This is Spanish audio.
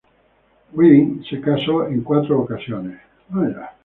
Wilding se casó en cuatro ocasiones.